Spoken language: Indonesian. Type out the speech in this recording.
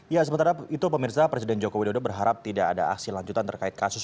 ya sementara itu pemirsa presiden joko widodo berharap tidak ada aksi lanjutan terkait kasus